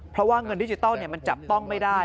เพราะว่าเงินดิจิทัลมันจับต้องไม่ได้